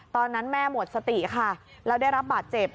ตอนนั้นแม่หมดสติค่ะแล้วได้รับบาดเจ็บ